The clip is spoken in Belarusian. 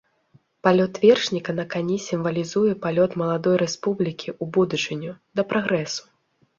Палёт вершніка на кані сімвалізуе палёт маладой рэспублікі ў будучыню, да прагрэсу.